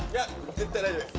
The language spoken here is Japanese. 絶対大丈夫です